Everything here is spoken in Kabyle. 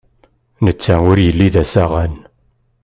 Netta ur yelli d asaɣan.